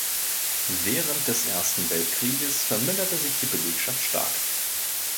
Während des Ersten Weltkrieges verminderte sich die Belegschaft stark.